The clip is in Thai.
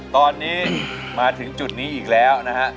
ตอนนี้มาถึงจุดนี้อีกแล้วนะฮะ